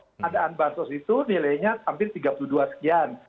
pengadaan bansos itu nilainya hampir tiga puluh dua sekian